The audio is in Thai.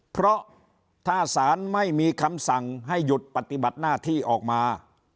เพราะถ้าสารไม่มีคำสั่งให้หยุดปฏิบัติหน้าที่ออกมา